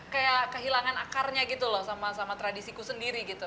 kayak kehilangan akarnya gitu loh sama tradisiku sendiri gitu